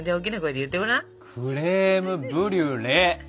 クレームブリュレ！